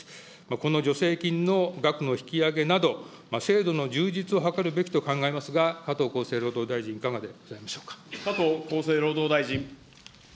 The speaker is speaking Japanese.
この助成金の額の引き上げなど、制度の充実を図るべきと考えますが、加藤厚生労働大臣、いかがで加藤厚生労働大臣。